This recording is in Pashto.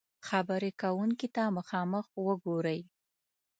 -خبرې کونکي ته مخامخ وګورئ